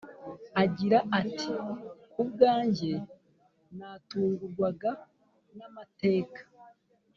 agira ati “ku bwanjye natungurwaga namateka